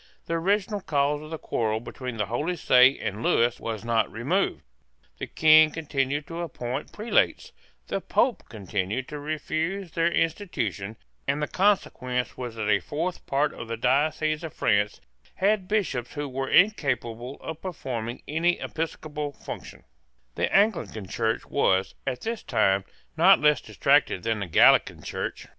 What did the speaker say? The original cause of the quarrel between the Holy See and Lewis was not removed. The King continued to appoint prelates: the Pope continued to refuse their institution: and the consequence was that a fourth part of the dioceses of France had bishops who were incapable of performing any episcopal function, The Anglican Church was, at this time, not less distracted than the Gallican Church.